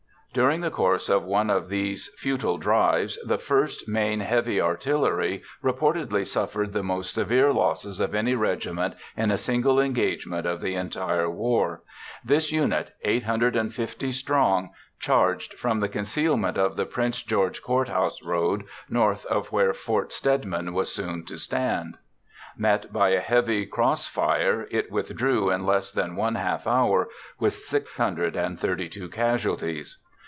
During the course of one of these futile drives, the 1st Maine Heavy Artillery reportedly suffered the most severe losses of any regiment in a single engagement of the entire war. This unit, 850 strong, charged from the concealment of the Prince George Court House Road north of where Fort Stedman was soon to stand. Met by a heavy crossfire, it withdrew in less than one half hour, with 632 casualties.